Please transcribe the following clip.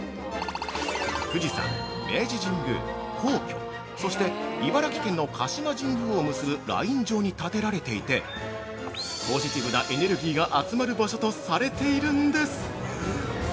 富士山、明治神宮、皇居そして茨城県の鹿島神宮を結ぶライン上に建てられていてポジティブなエネルギーが集まる場所とされているんです。